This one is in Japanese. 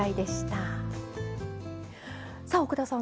さあ奥田さん